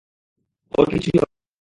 ওর কিছুই হবে না।